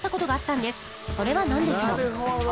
それはなんでしょう？